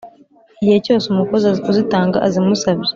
igihe cyose umukozi uzitanga azimusabye.